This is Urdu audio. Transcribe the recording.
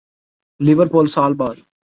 لیورپول سال بعد